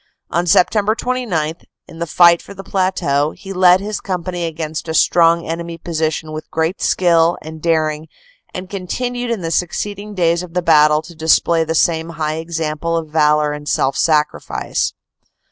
On Sept. 29, in the fight for the plateau, he led his company against a strong enemy position with great skill and daring and continued in the succeeding days of the battle to display the same high example of valor and self sacrifice.